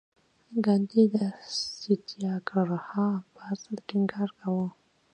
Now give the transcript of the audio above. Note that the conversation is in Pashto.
ګاندي د ساتیاګراها پر اصل ټینګار کاوه.